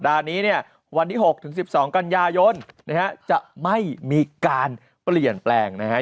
อันนี้จะไม่มีการเปลี่ยนแปลงนะครับ